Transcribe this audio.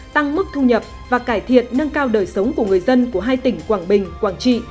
tăng mức thu nhập và cải thiện nâng cao đời sống của người dân của hai tỉnh quảng bình quảng trị